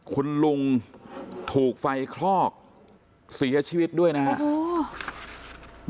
คุณลุงถูกไฟคลอกเสียชีวิตด้วยนะครับ